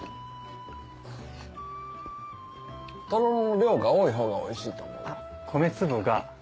とろろの量が多い方がおいしいと思うわ。